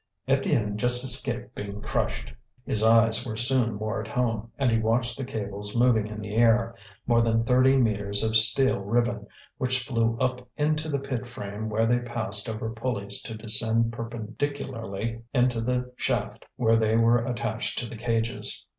Étienne just escaped being crushed; his eyes were soon more at home, and he watched the cables moving in the air, more than thirty metres of steel ribbon, which flew up into the pit frame where they passed over pulleys to descend perpendicularly into the shaft, where they were attached to the cages.